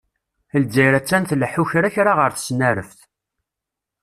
Lezzayer attan tleḥḥu kra kra ɣer tesnareft.